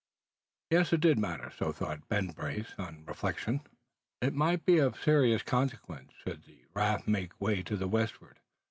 Yes, it did matter. So thought Ben Brace, on reflection. It might be of serious consequence, should the raft make way to the westward.